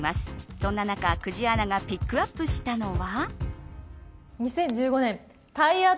そんな中、久慈アナがピックアップしたのは。